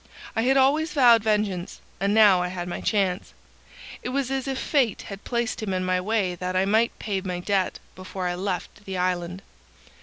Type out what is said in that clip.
I had always vowed vengeance, and now I had my chance. It was as if fate had placed him in my way that I might pay my debt before I left the island.